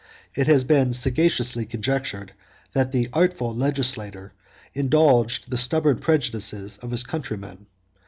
It has been sagaciously conjectured, that the artful legislator indulged the stubborn prejudices of his countrymen.